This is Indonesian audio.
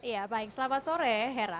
ya baik selamat sore hera